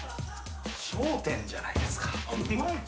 『笑点』じゃないですか。